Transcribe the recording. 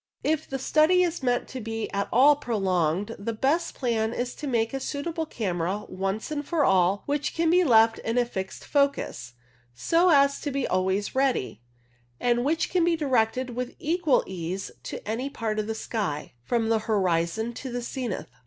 If the study is meant to be at all prolonged, the best plan is to make a suitable camera, once for all, which can be left in fixed focus, so as to be always ready, and which can be directed with equal ease to any part of the sky, from the horizon to the zenith.